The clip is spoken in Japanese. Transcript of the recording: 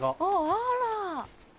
あら。